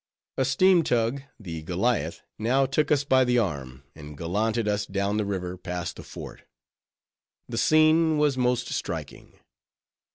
A steam tug, the Goliath, now took us by the arm, and gallanted us down the river past the fort. The scene was most striking.